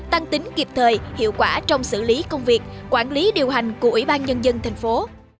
tăng tính kịp thời hiệu quả trong xử lý công việc quản lý điều hành của ủy ban nhân dân thành phố